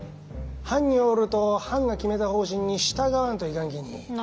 藩におると藩が決めた方針に従わんといかんきに。